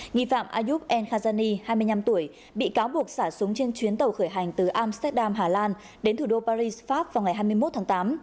nghi phạm ayub el hajani hai mươi năm tuổi bị cáo buộc xả súng trên chuyến tàu khởi hành từ amsterdam hà lan đến thủ đô paris pháp vào ngày hai mươi một tháng tám